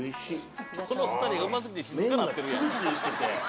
この２人がうますぎて静かなってるやん。